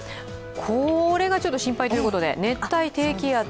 これがちょっと心配ということで、熱帯低気圧。